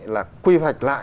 là quy hoạch lại